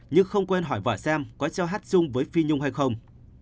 nhưng không quên hỏi vợ xem có cho hát chung với phi nhung hay không